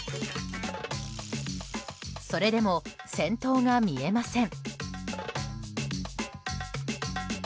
それでも先頭が見えません。